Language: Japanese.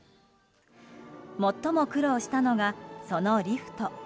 最も苦労したのが、そのリフト。